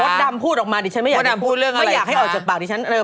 มดดำพูดออกมาดิฉันไม่อยากให้ออกจากปากดิ